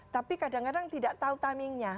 tapi kadang kadang tidak tahu timingnya